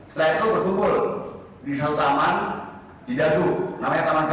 setelah itu bertumpul di sel taman di jadu namanya taman peksi